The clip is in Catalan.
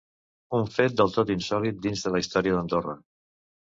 Un fet del tot insòlit dins de la història d'Andorra.